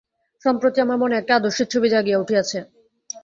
সম্প্রতি আমার মনে একটা আদর্শের ছবি জাগিয়া উঠিয়াছে।